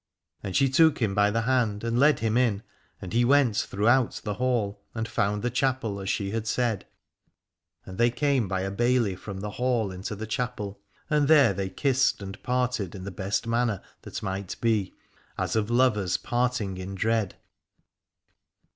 And she took him by the hand and led him in, and he went throughout the Hall and found the chapel as she had said : and they came by a bailey from the Hall into the chapel, and there they kissed and parted in the best manner that might be, as of lovers parting in dread.